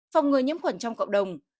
phòng người nhiễm khuẩn trong cộng đồng